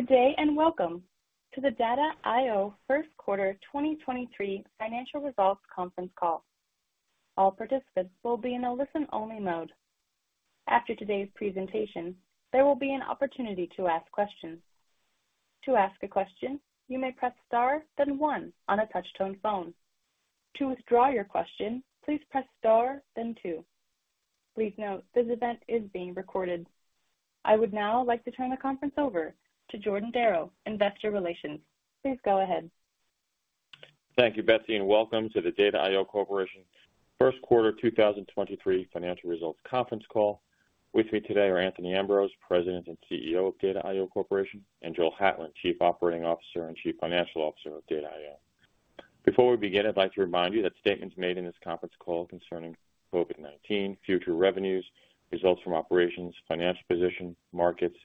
Good day, welcome to the Data I/O first quarter 2023 financial results conference call. All participants will be in a listen-only mode. After today's presentation, there will be an opportunity to ask questions. To ask a question, you may press star then one on a touch-tone phone. To withdraw your question, please press star then two. Please note, this event is being recorded. I would now like to turn the conference over to Jordan Darrow, Investor Relations. Please go ahead. Thank you, Betsy. Welcome to the Data I/O Corporation first quarter 2023 financial results conference call. With me today are Anthony Ambrose, President and CEO of Data I/O Corporation, and Joel Hatlen, Chief Operating Officer and Chief Financial Officer of Data I/O. Before we begin, I'd like to remind you that statements made in this conference call concerning COVID-19, future revenues, results from operations, financial position, markets,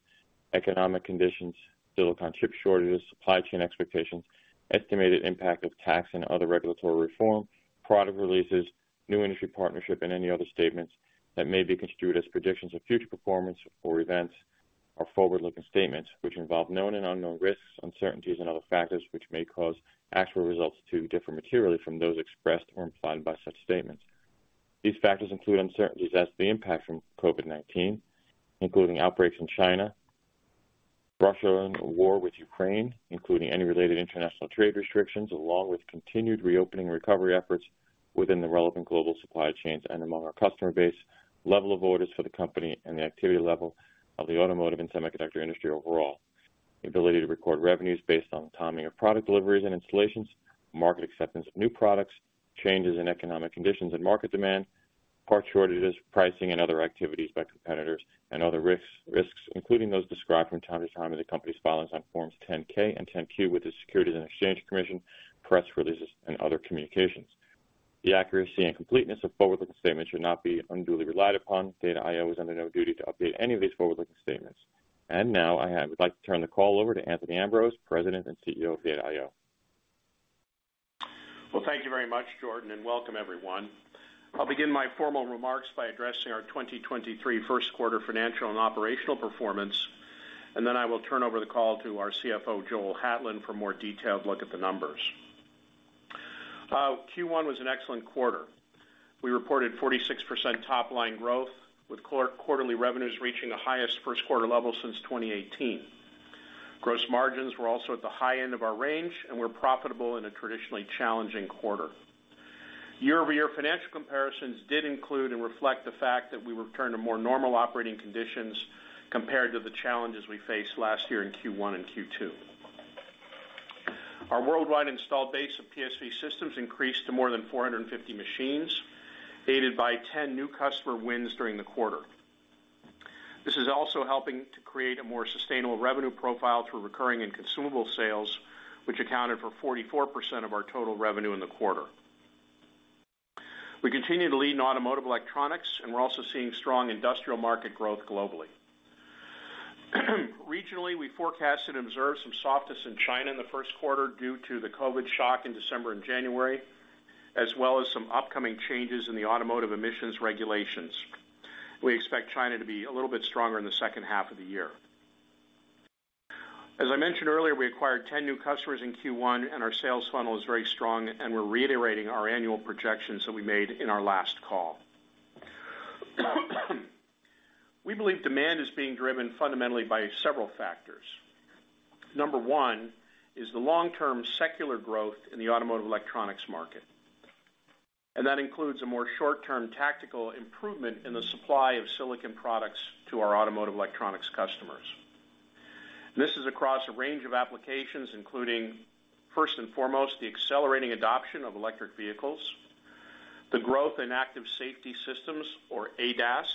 economic conditions, silicon chip shortages, supply chain expectations, estimated impact of tax and other regulatory reform, product releases, new industry partnership, and any other statements that may be construed as predictions of future performance or events or forward-looking statements which involve known and unknown risks, uncertainties and other factors which may cause actual results to differ materially from those expressed or implied by such statements. These factors include uncertainties as the impact from COVID-19, including outbreaks in China, Russia and the war with Ukraine, including any related international trade restrictions, along with continued reopening recovery efforts within the relevant global supply chains and among our customer base, level of orders for the company and the activity level of the automotive and semiconductor industry overall. The ability to record revenues based on timing of product deliveries and installations, market acceptance of new products, changes in economic conditions and market demand, part shortages, pricing and other activities by competitors and other risks, including those described from time to time in the company's filings on Forms 10-K and 10-Q with the Securities and Exchange Commission, press releases, and other communications. The accuracy and completeness of forward-looking statements should not be unduly relied upon. Data I/O is under no duty to update any of these forward-looking statements. Now, I would like to turn the call over to Anthony Ambrose, President and CEO of Data I/O. Thank you very much, Jordan, and welcome everyone. I'll begin my formal remarks by addressing our 2023 first quarter financial and operational performance. Then I will turn over the call to our CFO, Joel Hatlen, for a more detailed look at the numbers. Q1 was an excellent quarter. We reported 46% top-line growth, with quarterly revenues reaching the highest first quarter level since 2018. Gross margins were also at the high end of our range. We're profitable in a traditionally challenging quarter. Year-over-year financial comparisons did include and reflect the fact that we returned to more normal operating conditions compared to the challenges we faced last year in Q1 and Q2. Our worldwide installed base of PSV systems increased to more than 450 machines, aided by 10 new customer wins during the quarter. This is also helping to create a more sustainable revenue profile through recurring and consumable sales, which accounted for 44% of our total revenue in the quarter. We continue to lead in automotive electronics, and we're also seeing strong industrial market growth globally. Regionally, we forecast and observe some softness in China in the first quarter due to the COVID shock in December and January, as well as some upcoming changes in the automotive emissions regulations. We expect China to be a little bit stronger in the second half of the year. As I mentioned earlier, we acquired 10 new customers in Q1, and our sales funnel is very strong, and we're reiterating our annual projections that we made in our last call. We believe demand is being driven fundamentally by several factors. Number one is the long-term secular growth in the automotive electronics market, and that includes a more short-term tactical improvement in the supply of silicon products to our automotive electronics customers. This is across a range of applications, including, first and foremost, the accelerating adoption of electric vehicles, the growth in active safety systems, or ADAS,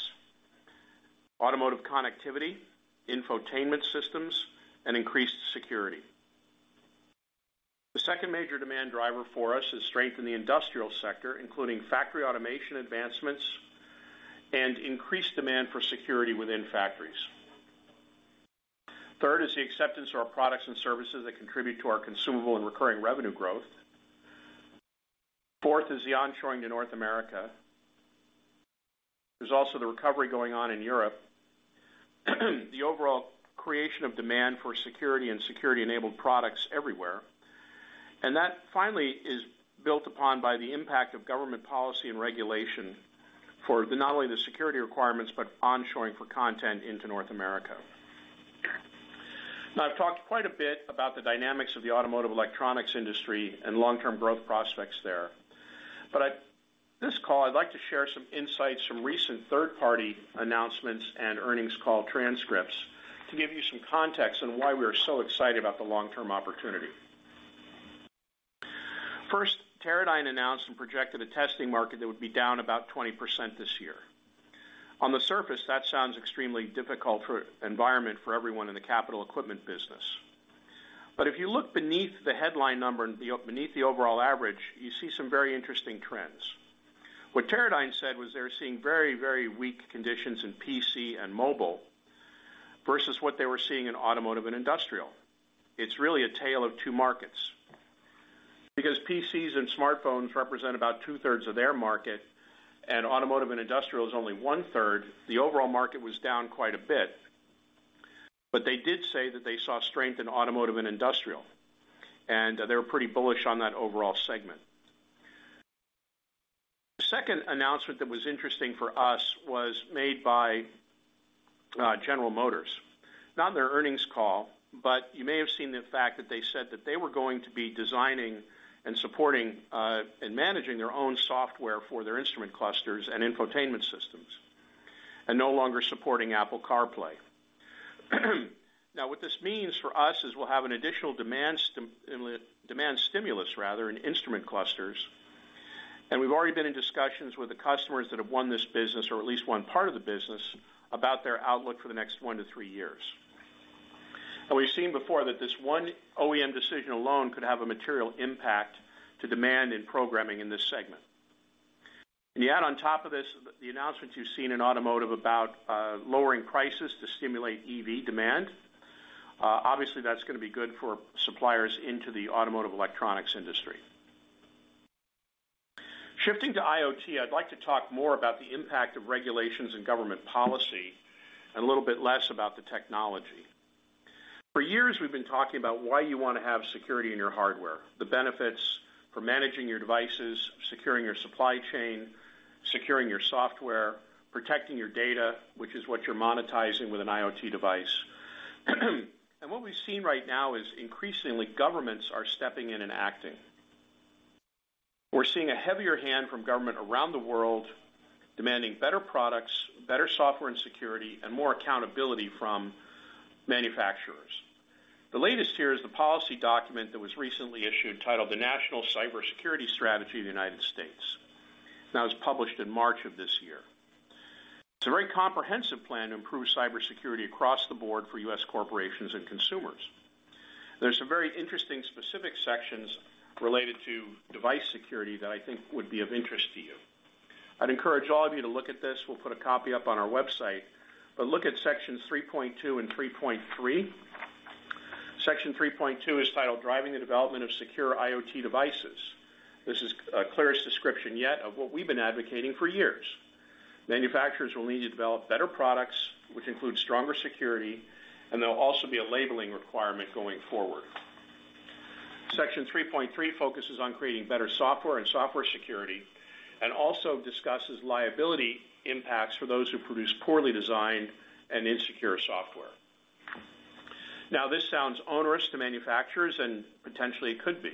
automotive connectivity, infotainment systems, and increased security. The second major demand driver for us is strength in the industrial sector, including factory automation advancements and increased demand for security within factories. Third is the acceptance of our products and services that contribute to our consumable and recurring revenue growth. Fourth is the onshoring to North America. There's also the recovery going on in Europe, the overall creation of demand for security and security-enabled products everywhere. That finally is built upon by the impact of government policy and regulation for not only the security requirements, but onshoring for content into North America. I've talked quite a bit about the dynamics of the automotive electronics industry and long-term growth prospects there. At this call, I'd like to share some insights from recent third-party announcements and earnings call transcripts to give you some context on why we are so excited about the long-term opportunity. First, Teradyne announced and projected a testing market that would be down about 20% this year. On the surface, that sounds extremely difficult for environment for everyone in the capital equipment business. If you look beneath the headline number and beneath the overall average, you see some very interesting trends. What Teradyne said was they're seeing very, very weak conditions in PC and mobile versus what they were seeing in automotive and industrial. It's really a tale of two markets. PCs and smartphones represent about 2/3 of their market and automotive and industrial is only 1/3, the overall market was down quite a bit. They did say that they saw strength in automotive and industrial, and they were pretty bullish on that overall segment. The second announcement that was interesting for us was made by General Motors. Not on their earnings call, but you may have seen the fact that they said that they were going to be designing and supporting and managing their own software for their instrument clusters and infotainment systems and no longer supporting Apple CarPlay. What this means for us is we'll have an additional demand stimulus rather in instrument clusters, and we've already been in discussions with the customers that have won this business or at least won part of the business about their outlook for the next one to three years. We've seen before that this one OEM decision alone could have a material impact to demand in programming in this segment. You add on top of this the announcements you've seen in automotive about lowering prices to stimulate EV demand, obviously that's gonna be good for suppliers into the automotive electronics industry. Shifting to IoT, I'd like to talk more about the impact of regulations and government policy and a little bit less about the technology. For years, we've been talking about why you want to have security in your hardware, the benefits for managing your devices, securing your supply chain, securing your software, protecting your data, which is what you're monetizing with an IoT device. What we've seen right now is increasingly governments are stepping in and acting. We're seeing a heavier hand from government around the world demanding better products, better software and security, and more accountability from manufacturers. The latest here is the policy document that was recently issued titled The National Cybersecurity Strategy of the United States, and that was published in March of this year. It's a very comprehensive plan to improve cybersecurity across the board for U.S. corporations and consumers. There's some very interesting specific sections related to device security that I think would be of interest to you. I'd encourage all of you to look at this. Look at sections 3.2 and 3.3. Section 3.2 is titled Driving the Development of Secure IoT Devices. This is a clearest description yet of what we've been advocating for years. Manufacturers will need to develop better products, which include stronger security, and there'll also be a labeling requirement going forward. Section 3.3 focuses on creating better software and software security and also discusses liability impacts for those who produce poorly designed and insecure software. This sounds onerous to manufacturers, and potentially it could be.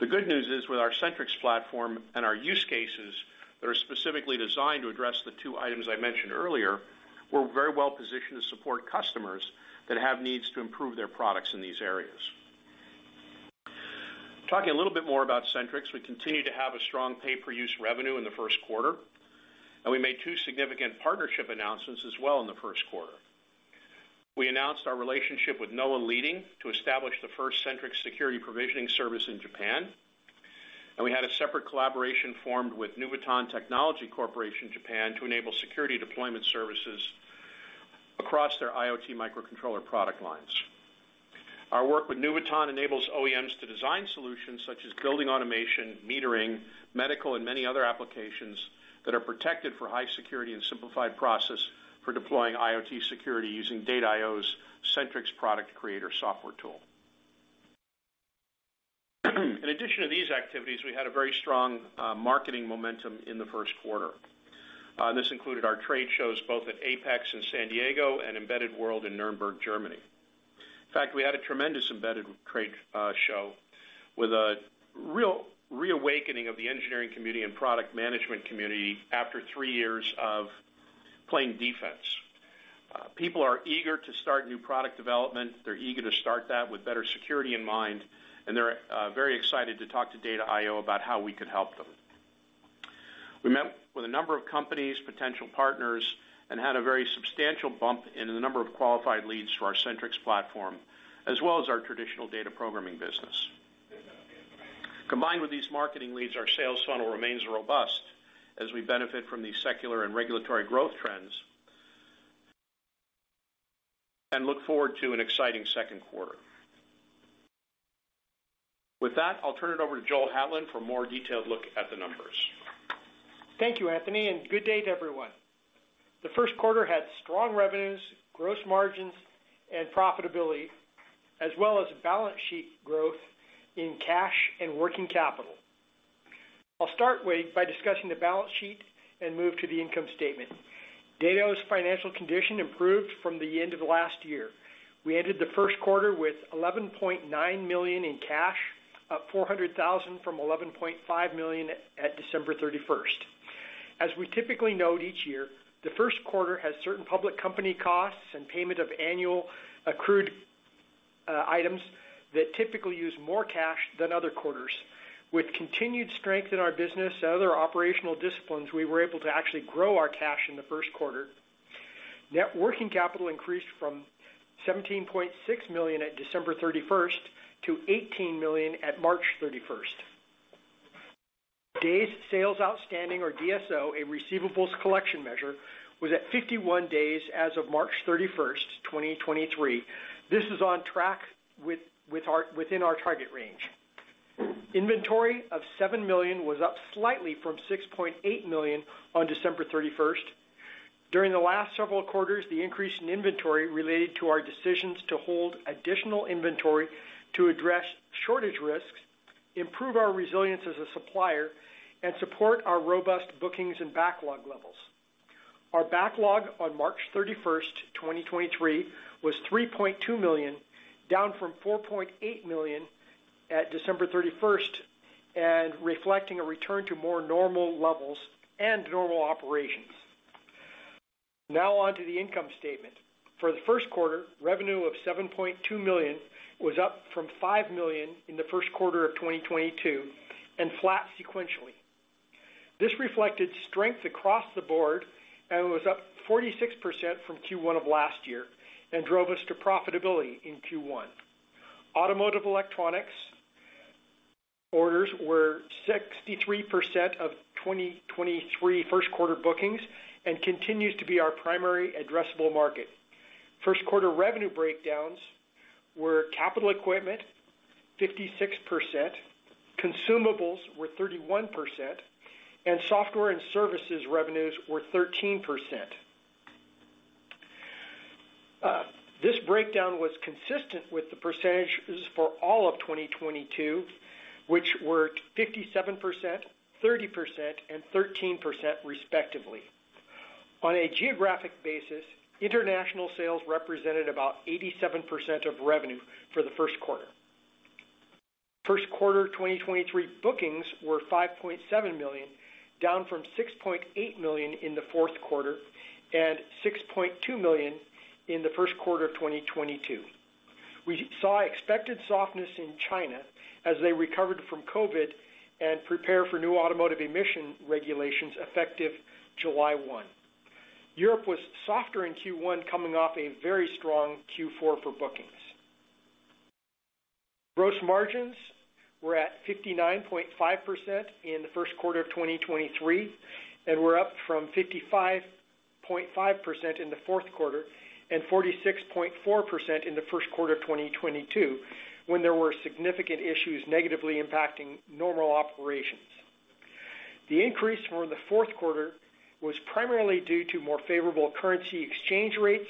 The good news is, with our SentriX platform and our use cases that are specifically designed to address the two items I mentioned earlier, we're very well positioned to support customers that have needs to improve their products in these areas. Talking a little bit more about SentriX, we continue to have a strong pay-per-use revenue in the first quarter. We made two significant partnership announcements as well in the first quarter. We announced our relationship with NOA Leading to establish the first SentriX security provisioning service in Japan. We had a separate collaboration formed with Nuvoton Technology Corporation Japan to enable security deployment services across their IoT microcontroller product lines. Our work with Nuvoton enables OEMs to design solutions such as building automation, metering, medical, and many other applications that are protected for high security and simplified process for deploying IoT security using Data I/O's SentriX Product Creator software tool. In addition to these activities, we had a very strong marketing momentum in the first quarter. This included our trade shows both at APEX in San Diego and Embedded World in Nuremberg, Germany. In fact, we had a tremendous embedded trade show with a real reawakening of the engineering community and product management community after three years of playing defense. People are eager to start new product development. They're eager to start that with better security in mind, and they're very excited to talk to Data I/O about how we could help them. We met with a number of companies, potential partners, and had a very substantial bump in the number of qualified leads for our SentriX platform as well as our traditional data programming business. Combined with these marketing leads, our sales funnel remains robust as we benefit from the secular and regulatory growth trends and look forward to an exciting second quarter. With that, I'll turn it over to Joel Hatlen for a more detailed look at the numbers. Thank you, Anthony. Good day to everyone. The first quarter had strong revenues, gross margins, and profitability, as well as balance sheet growth in cash and working capital. I'll start by discussing the balance sheet and move to the income statement. Data I/O's financial condition improved from the end of last year. We ended the first quarter with $11.9 million in cash, up $400,000 from $11.5 million at December 31st. As we typically note each year, the first quarter has certain public company costs and payment of annual accrued items that typically use more cash than other quarters. With continued strength in our business and other operational disciplines, we were able to actually grow our cash in the first quarter. Net working capital increased from $17.6 million at December 31st to $18 million at March 31st. Days sales outstanding or DSO, a receivables collection measure, was at 51 days as of March 31st, 2023. This is on track within our target range. Inventory of $7 million was up slightly from $6.8 million on December 31st. During the last several quarters, the increase in inventory related to our decisions to hold additional inventory to address shortage risks, improve our resilience as a supplier, and support our robust bookings and backlog levels. Our backlog on March 31st, 2023 was $3.2 million, down from $4.8 million at December 31st, reflecting a return to more normal levels and normal operations. On to the income statement. For the first quarter, revenue of $7.2 million was up from $5 million in the first quarter of 2022 and flat sequentially. This reflected strength across the board and was up 46% from Q1 of last year and drove us to profitability in Q1. Automotive electronics orders were 63% of 2023 first quarter bookings and continues to be our primary addressable market. First quarter revenue breakdowns were capital equipment 56%, consumables were 31%, and software and services revenues were 13%. This breakdown was consistent with the percentages for all of 2022, which were at 57%, 30%, and 13% respectively. On a geographic basis, international sales represented about 87% of revenue for the first quarter. First quarter 2023 bookings were $5.7 million, down from $6.8 million in the fourth quarter and $6.2 million in the first quarter of 2022. We saw expected softness in China as they recovered from COVID and prepare for new automotive emission regulations effective July 1. Europe was softer in Q1, coming off a very strong Q4 for bookings. Gross margins were at 59.5% in the first quarter of 2023, were up from 55.5% in the fourth quarter and 46.4% in the first quarter of 2022, when there were significant issues negatively impacting normal operations. The increase from the fourth quarter was primarily due to more favorable currency exchange rates,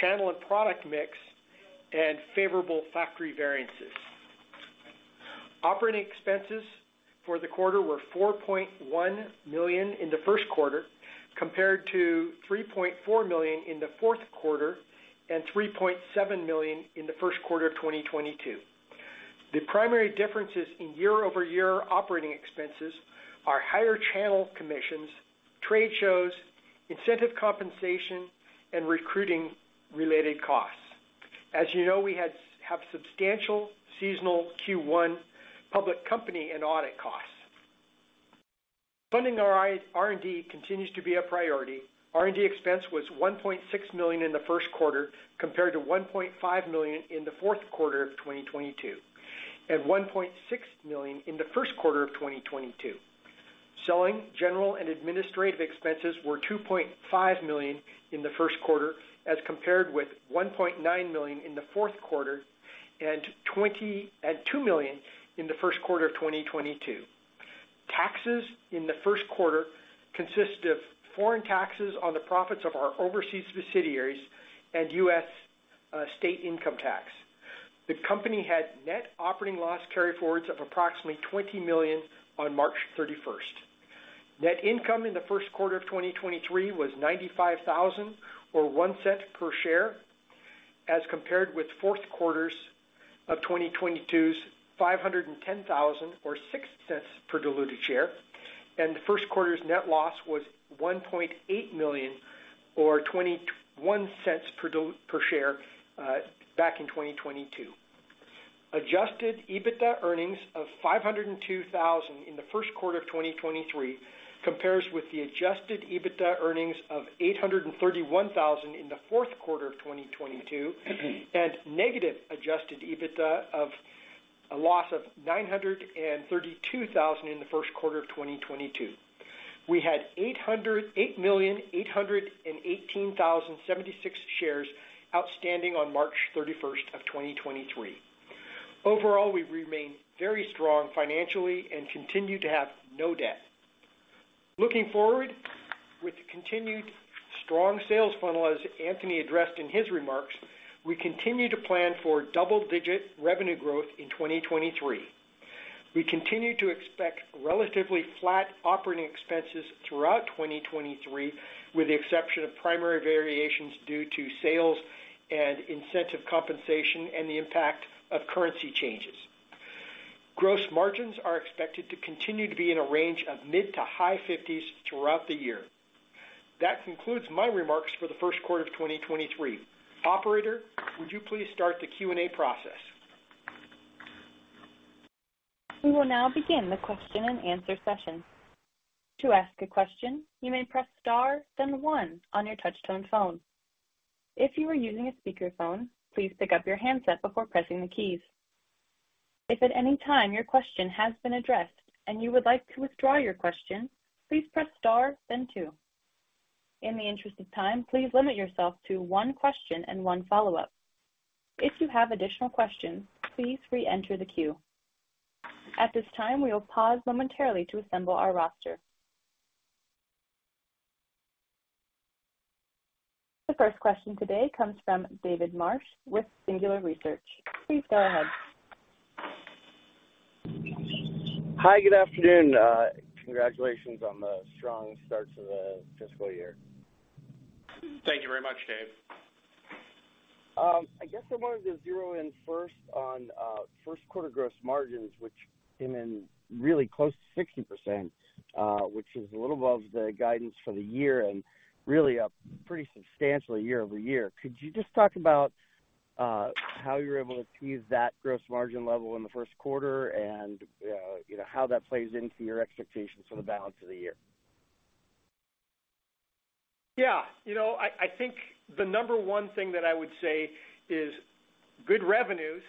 channel and product mix, and favorable factory variances. Operating expenses for the quarter were $4.1 million in the first quarter compared to $3.4 million in the fourth quarter and $3.7 million in the first quarter of 2022. The primary differences in year-over-year operating expenses are higher channel commissions, trade shows, incentive compensation, and recruiting related costs. As you know, we have substantial seasonal Q1 public company and audit costs. Funding our R&D continues to be a priority. R&D expense was $1.6 million in the first quarter, compared to $1.5 million in the fourth quarter of 2022, and $1.6 million in the first quarter of 2022. Selling, general and administrative expenses were $2.5 million in the first quarter, as compared with $1.9 million in the fourth quarter and $2 million in the first quarter of 2022. Taxes in the first quarter consist of foreign taxes on the profits of our overseas subsidiaries and U.S. state income tax. The company had net operating loss carryforwards of approximately $20 million on March 31st. Net income in the first quarter of 2023 was $95,000 or $0.01 per share, as compared with fourth quarters of 2022's $510,000 or $0.06 per diluted share. The first quarter's net loss was $1.8 million or $0.21 per share, back in 2022. Adjusted EBITDA earnings of $502,000 in the first quarter of 2023 compares with the adjusted EBITDA earnings of $831,000 in the fourth quarter of 2022 and negative adjusted EBITDA of a loss of $932,000 in the first quarter of 2022. We had 8,818,076 shares outstanding on March 31st of 2023. Overall, we remain very strong financially and continue to have no debt. Looking forward, with the continued strong sales funnel, as Anthony addressed in his remarks, we continue to plan for double-digit revenue growth in 2023. We continue to expect relatively flat operating expenses throughout 2023, with the exception of primary variations due to sales and incentive compensation and the impact of currency changes. Gross margins are expected to continue to be in a range of mid to high 50s throughout the year. That concludes my remarks for the first quarter of 2023. Operator, would you please start the Q&A process? We will now begin the question and answer session. To ask a question, you may press star then one on your touchtone phone. If you are using a speakerphone, please pick up your handset before pressing the keys. If at any time your question has been addressed and you would like to withdraw your question, please press Star then two. In the interest of time, please limit yourself to one question and one follow-up. If you have additional questions, please re-enter the queue. At this time, we will pause momentarily to assemble our roster. The first question today comes from David Marsh with Singular Research. Please go ahead. Hi, good afternoon. Congratulations on the strong start to the fiscal year. Thank you very much, Dave. I guess I wanted to zero in first on first quarter gross margins, which came in really close to 60%, which is a little above the guidance for the year and really up pretty substantially year-over-year. Could you just talk about how you were able to achieve that gross margin level in the first quarter and, you know, how that plays into your expectations for the balance of the year? Yeah. You know, I think the number one thing that I would say is good revenues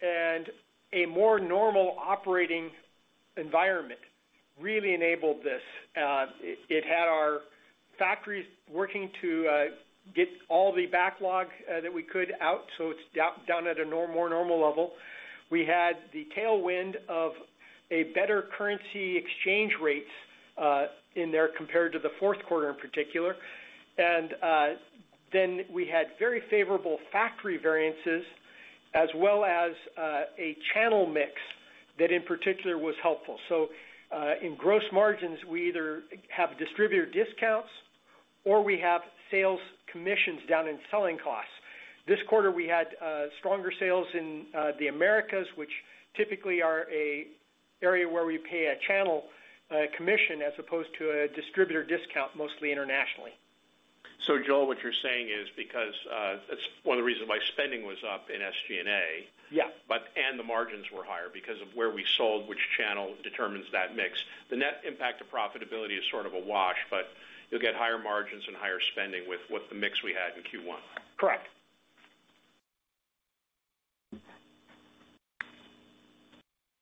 and a more normal operating environment really enabled this. It had our factories working to get all the backlog that we could out, so it's down at a more normal level. We had the tailwind of a better currency exchange rate in there compared to the fourth quarter in particular. Then we had very favorable factory variances as well as a channel mix that in particular was helpful. In gross margins, we either have distributor discounts or we have sales commissions down in selling costs. This quarter, we had stronger sales in the Americas, which typically are a area where we pay a channel commission as opposed to a distributor discount, mostly internationally. Joel, what you're saying is, because, it's one of the reasons why spending was up in SG&A. Yeah. The margins were higher because of where we sold, which channel determines that mix. The net impact of profitability is sort of a wash, but you'll get higher margins and higher spending with what the mix we had in Q1. Correct.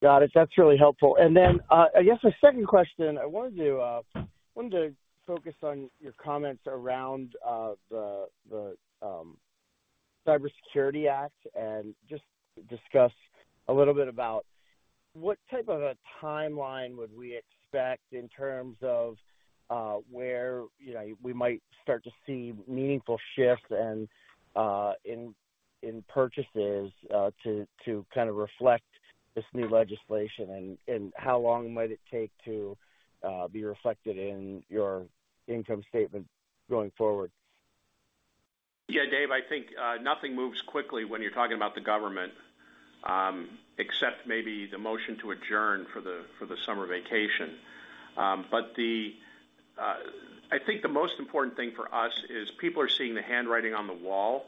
Got it. That's really helpful. I guess my second question, I wanted to focus on your comments around the Cybersecurity Act and just discuss a little bit about what type of a timeline would we expect in terms of where, you know, we might start to see meaningful shifts in purchases to kind of reflect this new legislation? How long might it take to be reflected in your income statement going forward? Dave, I think nothing moves quickly when you're talking about the government, except maybe the motion to adjourn for the summer vacation. I think the most important thing for us is people are seeing the handwriting on the wall,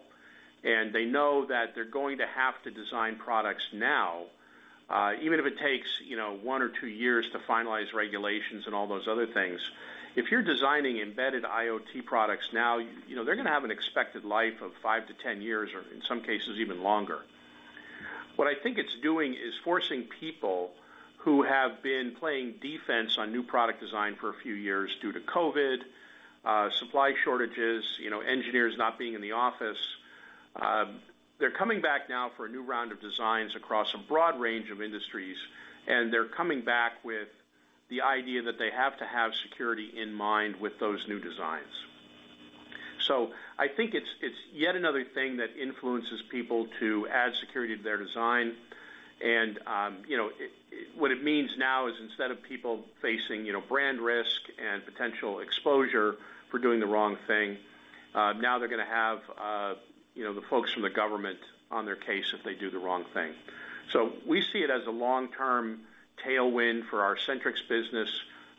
and they know that they're going to have to design products now, even if it takes, you know, one or two years to finalize regulations and all those other things. If you're designing embedded IoT products now, you know, they're gonna have an expected life of five to 10 years or in some cases even longer. What I think it's doing is forcing people who have been playing defense on new product design for a few years due to COVID, supply shortages, you know, engineers not being in the office. They're coming back now for a new round of designs across a broad range of industries, and they're coming back with the idea that they have to have security in mind with those new designs. I think it's yet another thing that influences people to add security to their design. You know, what it means now is instead of people facing, you know, brand risk and potential exposure for doing the wrong thing, now they're gonna have, you know, the folks from the government on their case if they do the wrong thing. We see it as a long-term tailwind for our SentriX business,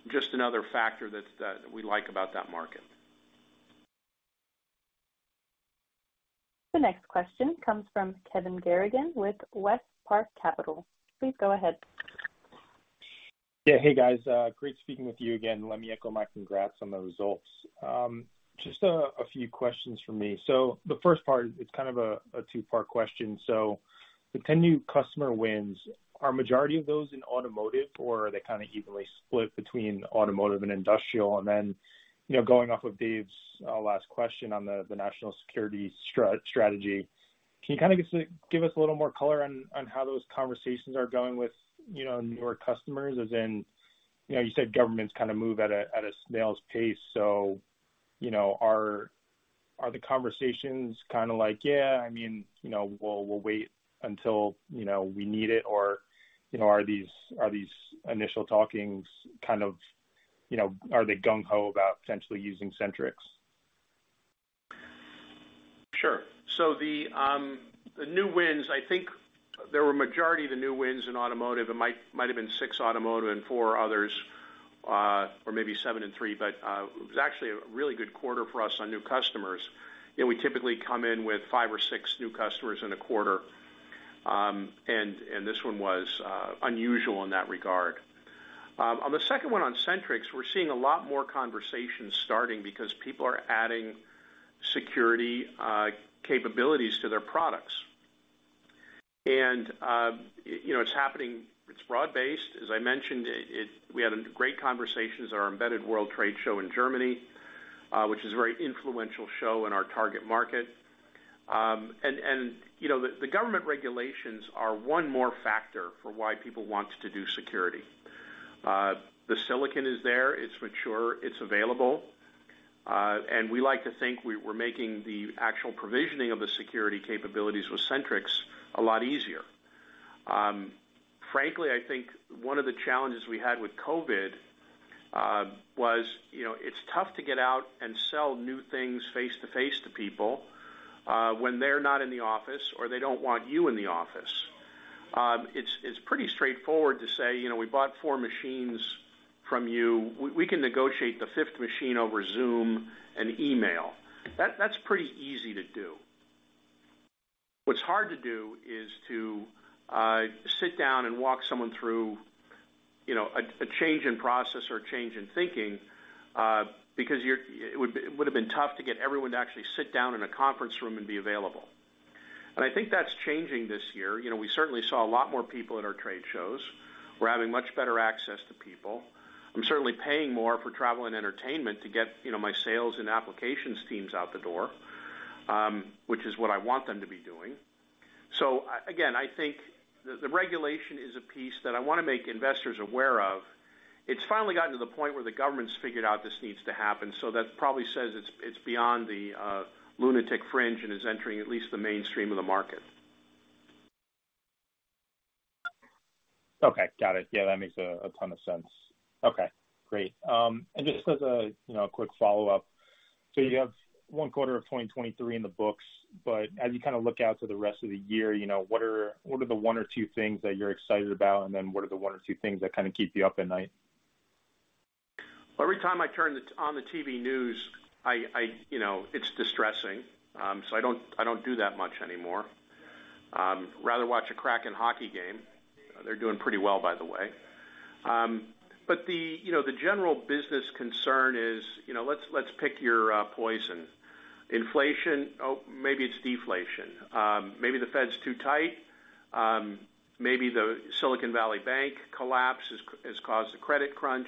just another factor that we like about that market. The next question comes from Kevin Garrigan with WestPark Capital. Please go ahead. Yeah. Hey, guys. great speaking with you again. Let me echo my congrats on the results. Just a few questions from me. The first part, it's kind of a two-part question. The 10 new customer wins, are a majority of those in automotive, or are they kinda evenly split between automotive and industrial? Then, you know, going off of Dave's last question on the National Cybersecurity Strategy, can you kinda give us a little more color on how those conversations are going with, you know, newer customers? As in, you know, you said governments kinda move at a snail's pace. you know, are the conversations kinda like, "Yeah, I mean, you know, we'll wait until, you know, we need it," or, you know, are these initial talkings kind of, you know, are they gung ho about potentially using SentriX? Sure. The new wins, I think there were majority of the new wins in automotive. It might have been six automotive and four others, or maybe seven and three. It was actually a really good quarter for us on new customers. You know, we typically come in with five or six new customers in a quarter. And this one was unusual in that regard. On the second one on SentriX, we're seeing a lot more conversations starting because people are adding security capabilities to their products. You know, it's broad-based. As I mentioned, we had great conversations at our Embedded World in Germany, which is a very influential show in our target market. You know, the government regulations are one more factor for why people want to do security. The silicon is there, it's mature, it's available. We like to think we're making the actual provisioning of the security capabilities with SentriX a lot easier. Frankly, I think one of the challenges we had with COVID, was, you know, it's tough to get out and sell new things face-to-face to people, when they're not in the office or they don't want you in the office. It's pretty straightforward to say, "You know, we bought four machines from you. We can negotiate the fifth machine over Zoom and email." That's pretty easy to do. What's hard to do is to sit down and walk someone through, you know, a change in process or change in thinking, because it would've been tough to get everyone to actually sit down in a conference room and be available. I think that's changing this year. You know, we certainly saw a lot more people at our trade shows. We're having much better access to people. I'm certainly paying more for travel and entertainment to get, you know, my sales and applications teams out the door, which is what I want them to be doing. Again, I think the regulation is a piece that I wanna make investors aware of. It's finally gotten to the point where the government's figured out this needs to happen, so that probably says it's beyond the lunatic fringe and is entering at least the mainstream of the market. Okay. Got it. Yeah, that makes a ton of sense. Okay, great. just as a, you know, a quick follow-up, you have one quarter of 2023 in the books, but as you kind of look out to the rest of the year, you know, what are the one or two things that you're excited about? What are the one or two things that kind of keep you up at night? Every time I turn the on the TV news, I you know, it's distressing. I don't do that much anymore. Rather watch a Kraken hockey game. They're doing pretty well, by the way. You know, the general business concern is, you know, let's pick your poison. Inflation. Maybe it's deflation. Maybe the Fed's too tight. Maybe the Silicon Valley Bank collapse has caused a credit crunch.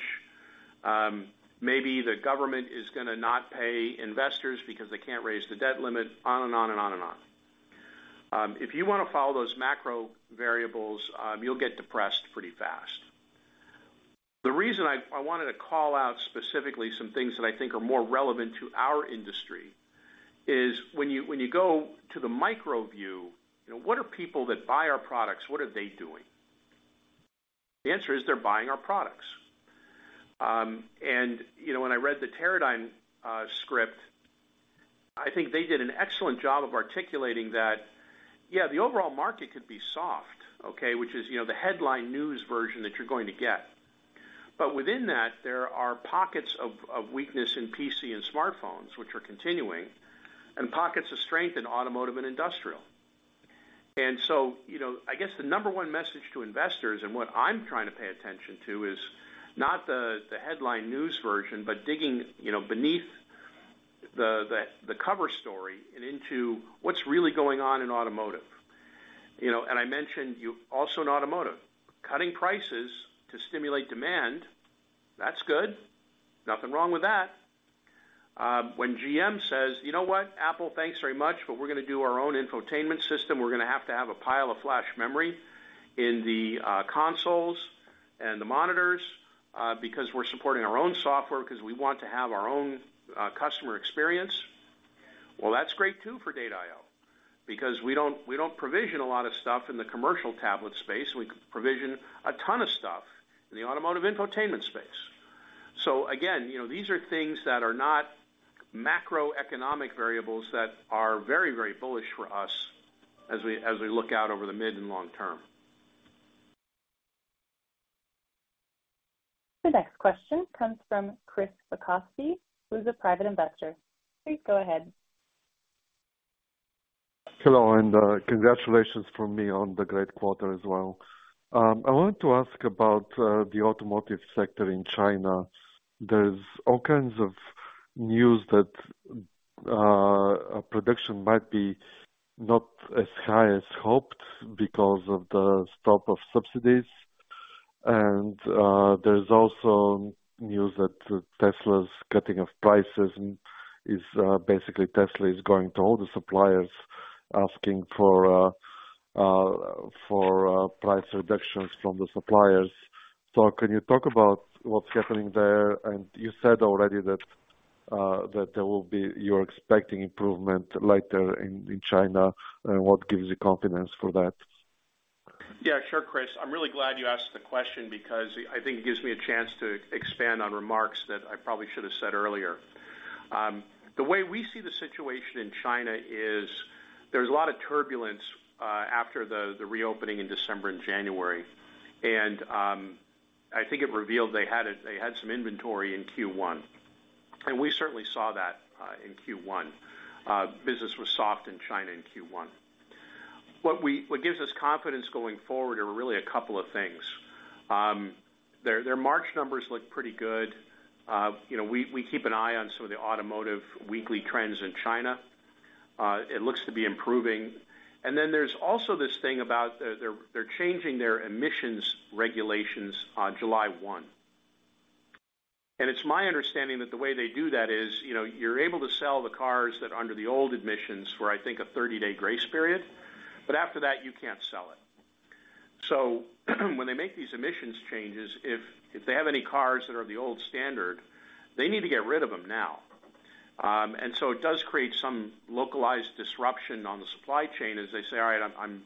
Maybe the government is gonna not pay investors because they can't raise the debt limit, on and on and on and on. If you wanna follow those macro variables, you'll get depressed pretty fast. The reason I wanted to call out specifically some things that I think are more relevant to our industry is when you, when you go to the micro view, you know, what are people that buy our products, what are they doing? The answer is they're buying our products. You know, when I read the Teradyne script, I think they did an excellent job of articulating that, yeah, the overall market could be soft, okay, which is, you know, the headline news version that you're going to get. Within that, there are pockets of weakness in PC and smartphones, which are continuing, and pockets of strength in automotive and industrial. You know, I guess the number one message to investors and what I'm trying to pay attention to is not the headline news version, but digging, you know, beneath the cover story and into what's really going on in automotive. You know, I mentioned also in automotive, cutting prices to stimulate demand, that's good. Nothing wrong with that. When GM says, "You know what? Apple, thanks very much, but we're gonna do our own infotainment system. We're gonna have to have a pile of flash memory in the consoles and the monitors because we're supporting our own software 'cause we want to have our own customer experience," well, that's great too for Data I/O. We don't provision a lot of stuff in the commercial tablet space, and we provision a ton of stuff in the automotive infotainment space. Again, you know, these are things that are not macroeconomic variables that are very, very bullish for us as we look out over the mid and long term. The next question comes from Chris Vacoski, who is a private investor. Please go ahead. Hello, and congratulations from me on the great quarter as well. I wanted to ask about the automotive sector in China. There's all kinds of news that production might be not as high as hoped because of the stop of subsidies. And there's also news that Tesla's cutting of prices and is basically Tesla is going to all the suppliers asking for price reductions from the suppliers. Can you talk about what's happening there? And you said already that you're expecting improvement later in China, what gives you confidence for that? Yeah, sure, Chris. I'm really glad you asked the question because I think it gives me a chance to expand on remarks that I probably should have said earlier. The way we see the situation in China is there's a lot of turbulence after the reopening in December and January. I think it revealed they had some inventory in Q1. And we certainly saw that in Q1. Business was soft in China in Q1. What gives us confidence going forward are really a couple of things. Their March numbers look pretty good. You know, we keep an eye on some of the automotive weekly trends in China. It looks to be improving. There's also this thing about they're changing their emissions regulations on July 1. It's my understanding that the way they do that is, you know, you're able to sell the cars that under the old emissions for, I think, a 30-day grace period. After that, you can't sell it. When they make these emissions changes, if they have any cars that are the old standard, they need to get rid of them now. It does create some localized disruption on the supply chain as they say, "All right, I'm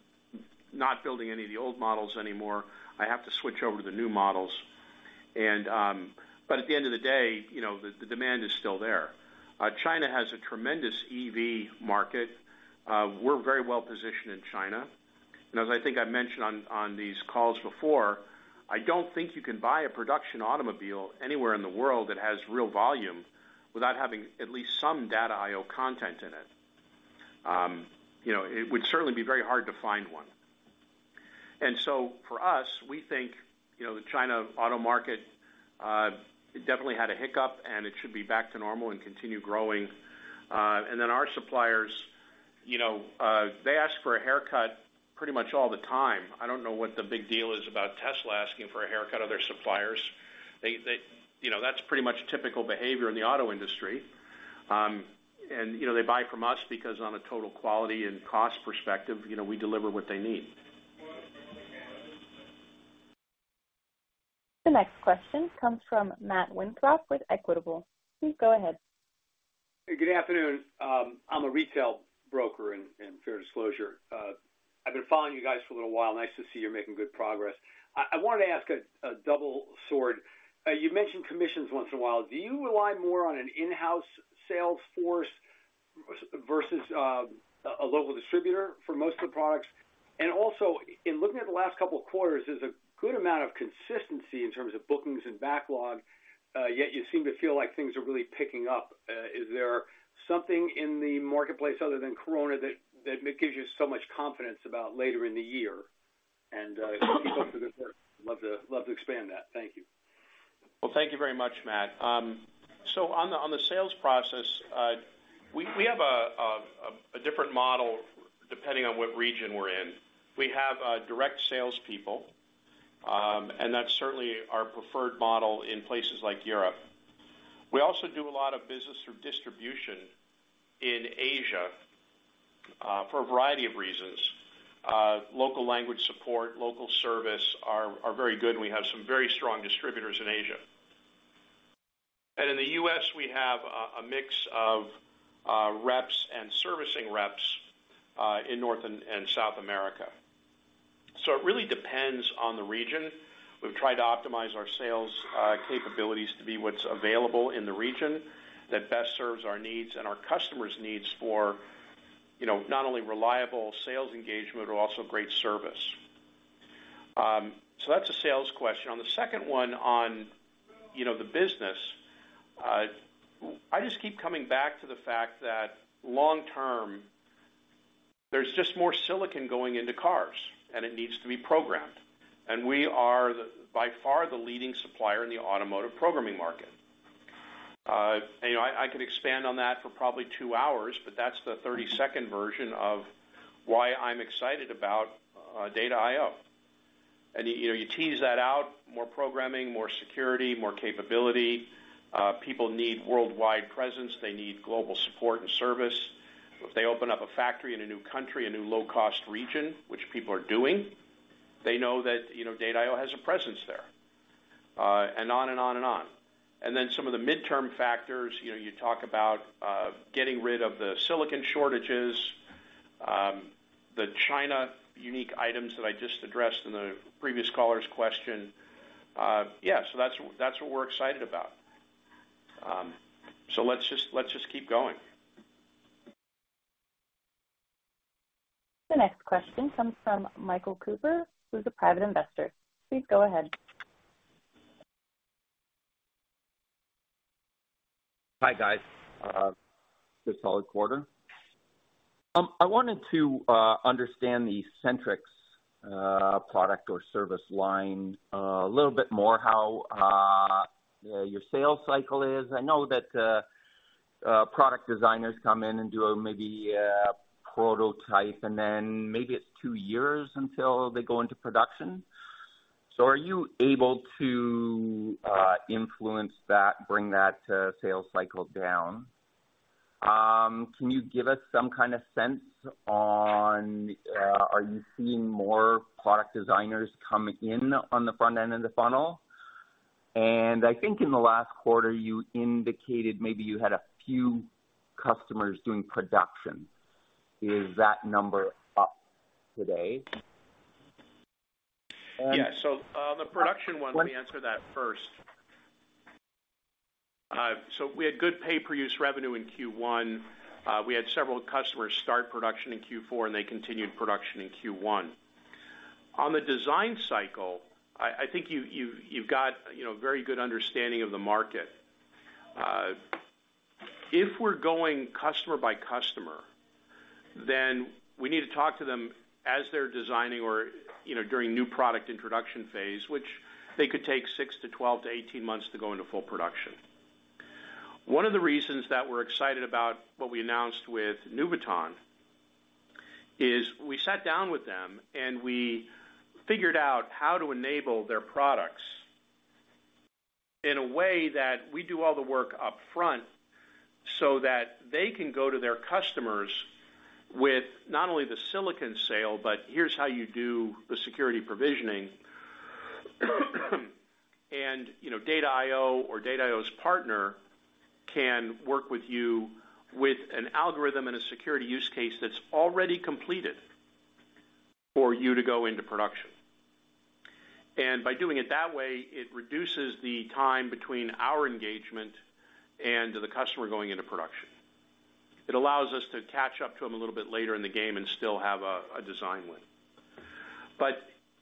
not building any of the old models anymore. I have to switch over to the new models." At the end of the day, you know, the demand is still there. China has a tremendous EV market. We're very well positioned in China. As I think I mentioned on these calls before, I don't think you can buy a production automobile anywhere in the world that has real volume without having at least some Data I/O content in it. You know, it would certainly be very hard to find one. So for us, we think, you know, the China auto market, it definitely had a hiccup, and it should be back to normal and continue growing. Then our suppliers, you know, they ask for a haircut pretty much all the time. I don't know what the big deal is about Tesla asking for a haircut of their suppliers. They, you know, that's pretty much typical behavior in the auto industry. You know, they buy from us because on a total quality and cost perspective, you know, we deliver what they need. The next question comes from Matt Winthrop with Equitable. Please go ahead. Good afternoon. I'm a retail broker in fair disclosure. I've been following you guys for a little while. Nice to see you're making good progress. I wanted to ask a double sword. You mentioned commissions once in a while. Do you rely more on an in-house sales force versus a local distributor for most of the products? Also in looking at the last couple of quarters, there's a good amount of consistency in terms of bookings and backlog, yet you seem to feel like things are really picking up. Is there something in the marketplace other than COVID-19 that gives you so much confidence about later in the year? Love to expand that. Thank you. Well, thank you very much, Matt. Um, so on the, on the sales process, uh, we, we have a, a, a different model depending on what region we're in. We have, uh, direct salespeople, um, and that's certainly our preferred model in places like Europe. We also do a lot of business through distribution in Asia, uh, for a variety of reasons. Uh, local language support, local service are, are very good, and we have some very strong distributors in Asia. And in the US, we have a, a mix of, uh, reps and servicing reps, uh, in North and, and South America. So it really depends on the region. We've tried to optimize our sales, uh, capabilities to be what's available in the region that best serves our needs and our customers' needs for, you know, not only reliable sales engagement, but also great service. That's a sales question. On the second one on, you know, the business, I just keep coming back to the fact that long term, there's just more silicon going into cars, and it needs to be programmed. We are the, by far, the leading supplier in the automotive programming market. You know, I could expand on that for probably two hours, but that's the 30-second version of why I'm excited about Data I/O. You know, you tease that out, more programming, more security, more capability. People need worldwide presence. They need global support and service. If they open up a factory in a new country, a new low-cost region, which people are doing, they know that, you know, Data I/O has a presence there, and on and on and on. Some of the midterm factors, you know, you talk about getting rid of the silicon shortages, the China unique items that I just addressed in the previous caller's question. Yeah, that's what we're excited about. Let's just keep going. The next question comes from Michael Cooper, who's a private investor. Please go ahead. Hi, guys. It's a solid quarter. I wanted to understand the SentriX product or service line a little bit more, how your sales cycle is. I know that product designers come in and do maybe a prototype, and then maybe it's two years until they go into production. Are you able to influence that, bring that sales cycle down? Can you give us some kind of sense on, are you seeing more product designers come in on the front end of the funnel? I think in the last quarter, you indicated maybe you had a few customers doing production. Is that number up today? On the production one, let me answer that first. We had good pay-per-use revenue in Q1. We had several customers start production in Q4, and they continued production in Q1. On the design cycle, I think you've got, you know, very good understanding of the market. If we're going customer by customer, then we need to talk to them as they're designing or, you know, during new product introduction phase, which they could take six to 12 to 18 months to go into full production. One of the reasons that we're excited about what we announced with Nuvoton is we sat down with them, and we figured out how to enable their products in a way that we do all the work upfront so that they can go to their customers with not only the silicon sale, but here's how you do the security provisioning. You know, Data I/O or Data I/O's partner can work with you with an algorithm and a security use case that's already completed for you to go into production. By doing it that way, it reduces the time between our engagement and the customer going into production. It allows us to catch up to them a little bit later in the game and still have a design win.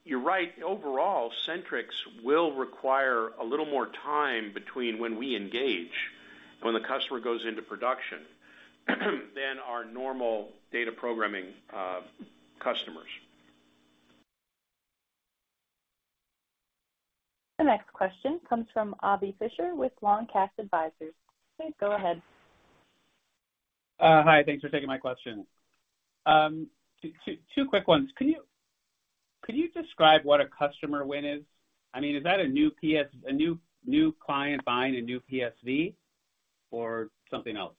You're right, overall, SentriX will require a little more time between when we engage and when the customer goes into production than our normal data programming, customers. The next question comes from Avi Fisher with Long Cast Advisors. Go ahead. Hi. Thanks for taking my question. Two quick ones. Can you, could you describe what a customer win is? I mean, is that a new client buying a new PSV or something else?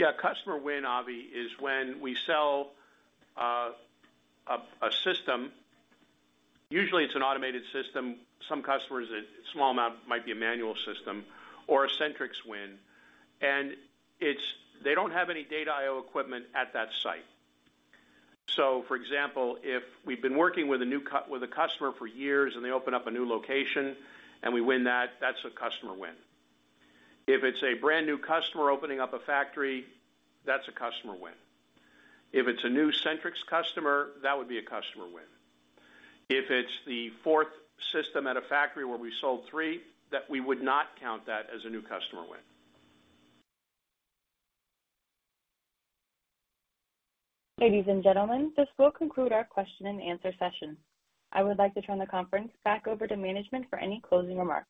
A customer win, Avi, is when we sell a system. Usually, it's an automated system. Some customers, a small amount might be a manual system or a SentriX win, and they don't have any Data I/O equipment at that site. For example, if we've been working with a new customer for years and they open up a new location and we win that's a customer win. If it's a brand-new customer opening up a factory, that's a customer win. If it's a new SentriX customer, that would be a customer win. If it's the fourth system at a factory where we sold three, that we would not count that as a new customer win. Ladies and gentlemen, this will conclude our question-and-answer session. I would like to turn the conference back over to management for any closing remarks.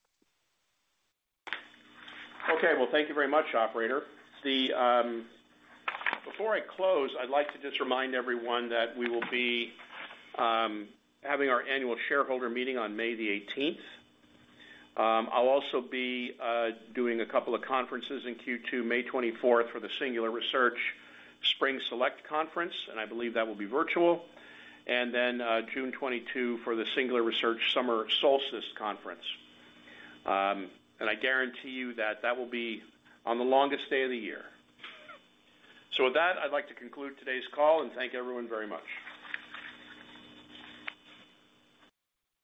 Okay. Well, thank you very much, operator. Before I close, I'd like to just remind everyone that we will be having our annual shareholder meeting on May 18th. I'll also be doing a couple of conferences in Q2, May 24th for the Singular Research Spring Select Webinar, and I believe that will be virtual. Then, June 22 for the Singular Research Summer Solstice Conference. I guarantee you that that will be on the longest day of the year. With that, I'd like to conclude today's call and thank everyone very much.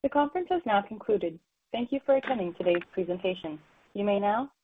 The conference has now concluded. Thank you for attending today's presentation. You may now disconnect.